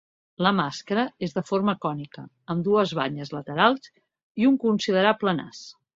La màscara és de forma cònica, amb dues banyes laterals i un considerable nas.